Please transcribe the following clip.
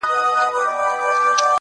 o بیا به لوړه بیه واخلي په جهان کي,